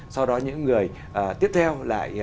sau đó những người tiếp theo lại